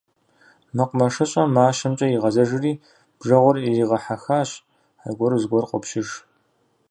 МэкъумэшыщӀэм мащэмкӀэ игъэзэжри, бжэгъур иригъэхьэхащ - аргуэру зыгуэр къопщыж.